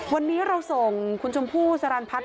วันนี้เราส่งคุณชมพู่สรรพัฒน